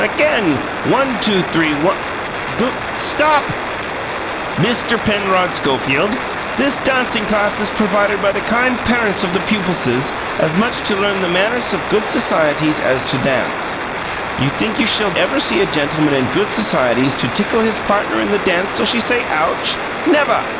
Again! One two three; one two three gl Stop! Mr. Penrod Schofield, this dancing class is provided by the kind parents of the pupilses as much to learn the mannerss of good societies as to dance. You think you shall ever see a gentleman in good societies to tickle his partner in the dance till she say Ouch? Never!